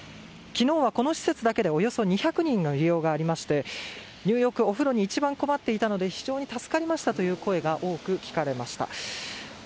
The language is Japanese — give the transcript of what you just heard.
昨日はこの施設だけでおよそ２００人の利用がありまして入浴・お風呂に一番困っていたので非常に助かりましたという声が多く聞かれました。